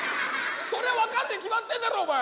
そりゃ分かるに決まってんだろお前。